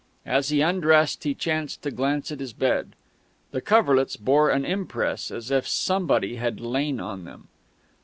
As he undressed, he chanced to glance at his bed. The coverlets bore an impress as if somebody had lain on them.